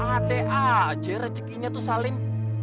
late aja rezekinya tuh saling